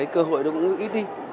cơ hội nó cũng ít đi